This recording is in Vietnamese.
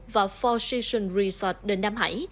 và four seasons resort đình nam hải